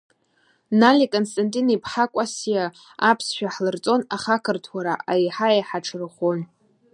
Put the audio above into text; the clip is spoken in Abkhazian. Нали Константин-иԥҳа Кәасиа аԥсшәа ҳлырҵон, аха ақырҭуара еиҳаеиҳа аҽарӷәӷәон.